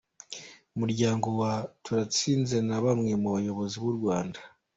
Umuryango wa Turatsinze na bamwe mu bayobozi b’u Rwanda